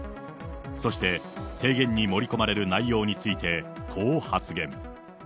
そして、提言に盛り込まれる内容について、こう発言。